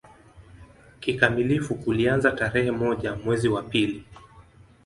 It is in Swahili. Kikamilifu kilianza tarehe moja mwezi wa pili